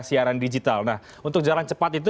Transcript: siaran digital nah untuk jalan cepat itu